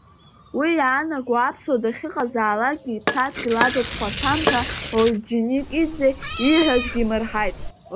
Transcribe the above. Уи иаанаго, аԥсуа дахьыҟазаалакгьы иԥсадгьыл ада дхәарҭам ҳәа Орџьоникиӡе ииҳәазгьы иимырҳаит.